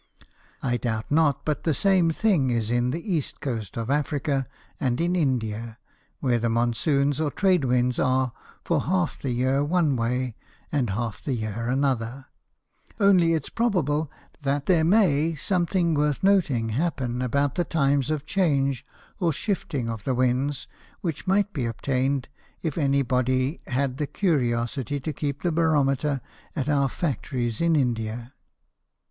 I doubt not but the same thing is in the East Coast of Africa, and in India, where the Monsoons or Trade Winds are for half the Year one way, and half the Year another; only it's probable, that there may something worth noting happen, about the times of the change or shifting of the Winds, which might be obtain'd, if any Body had the Curiosity to keep the Barometer at our Factories in India.